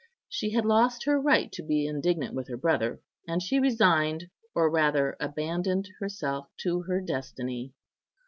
She had lost her right to be indignant with her brother, and she resigned or rather abandoned herself to her destiny.